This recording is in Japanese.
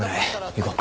行こう。